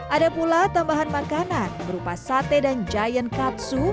ada pula tambahan makanan berupa sate dan giant katsu